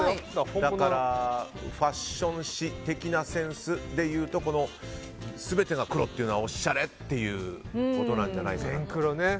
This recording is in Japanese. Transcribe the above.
だから、ファッション誌的なセンスでいうと全てが黒というのはおしゃれなんじゃないですかね。